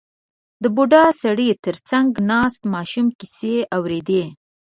• د بوډا سړي تر څنګ ناست ماشوم کیسې اورېدې.